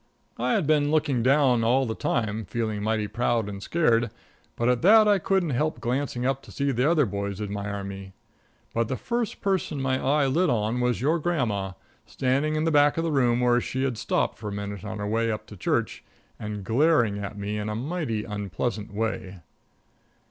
I had been looking down all the time, feeling mighty proud and scared, but at that I couldn't help glancing up to see the other boys admire me. But the first person my eye lit on was your grandma, standing in the back of the room, where she had stopped for a moment on her way up to church, and glaring at me in a mighty unpleasant way.